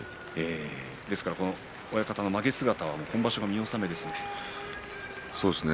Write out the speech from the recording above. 親方のまげ姿は今場所で見納めですね。